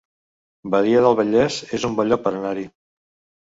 Badia del Vallès es un bon lloc per anar-hi